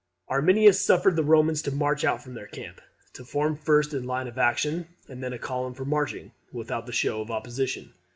] Arminius suffered the Romans to march out from their camp, to form first in line for action, and then in column for marching, without the show of opposition.